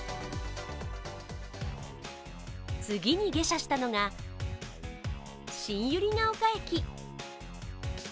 次に下車したが新百合ヶ丘駅。